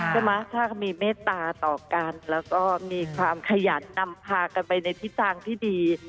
ใช่ไหมถ้าเขามีเมตตาต่อกันแล้วก็มีความขยันนำพากันไปในทิศทางที่ดี